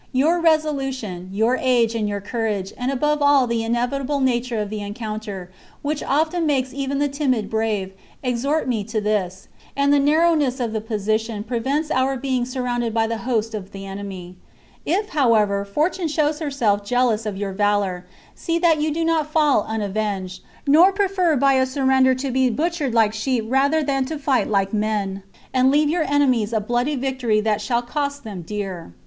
Your resolution, your age, and your courage, and above all the inevitable nature of the encounter, which often makes even the timid brave, exhort m^ to this ; and the narrowness of the position prevents our being surrounded by the host of the enemy. If, however, fortune shows herself jealous of your valour, see that you do not fall unavenged, nor prefer by a surrender to be butchered like sheep rather than to fight like men, and leave your enemies a bloody vic tory that shall cost them dear."